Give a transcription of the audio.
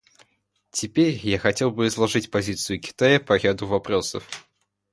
Теперь я хотел бы изложить позицию Китая по ряду вопросов.